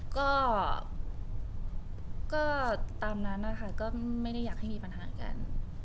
ก็ตามนั้นนะคะก็ไม่ได้อยากให้มีปัญหากัน